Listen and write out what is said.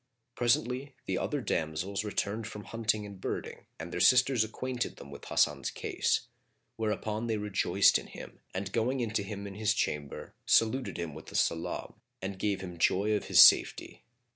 Presently, the other damsels returned from hunting and birding and their sisters acquainted them with Hasan's case; whereupon they rejoiced in him and going into him in his chamber, saluted him with the salam and gave him joy of his safety.